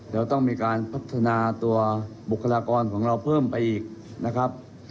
เราต้องมีการพัฒนาตัวบุคลากรของเราเพิ่มไปอีกนะครับ